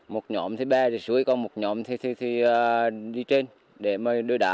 một nhóm thì bè rồi suối còn một nhóm thì đi trên để đối đạ